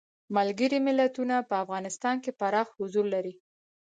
ملګري ملتونه په افغانستان کې پراخ حضور لري.